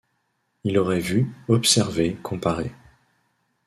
Il aurait vu, observé, comparé.